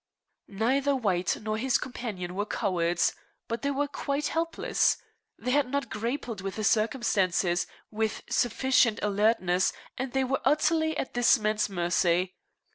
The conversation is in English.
Neither White nor his companion were cowards. But they were quite helpless. They had not grappled with the circumstances with sufficient alertness, and they were utterly at this man's mercy.